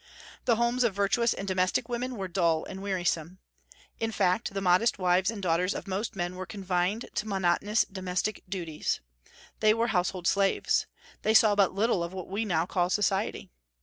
The homes of virtuous and domestic women were dull and wearisome. In fact, the modest wives and daughters of most men were confined to monotonous domestic duties; they were household slaves; they saw but little of what we now call society.